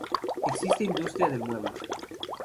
Existe industria del mueble.